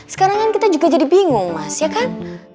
sekarang kan kita juga jadi bingung mas ya kan